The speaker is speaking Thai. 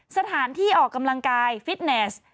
สถานที่ออกกำลังกายฟิตเนส